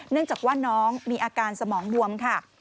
เนื่องจากว่าน้องมีอาการสมองดวมค่ะ